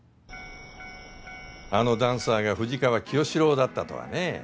あのダンサーが富士川清志郎だったとはね。